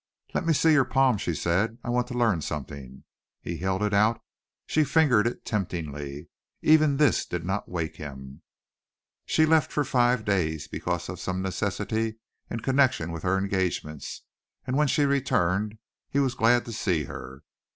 "Let me see your palm," she said, "I want to learn something." He held it out. She fingered it temptingly. Even this did not wake him. She left for five days because of some necessity in connection with her engagements and when she returned he was glad to see her.